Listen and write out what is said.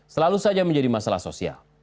selalu saja menjadi masalah sosial